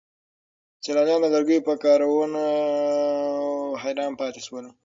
سیلانیان د لرګیو په کارونو حیران پاتې شول.